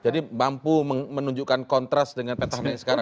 jadi mampu menunjukkan kontras dengan petangnya sekarang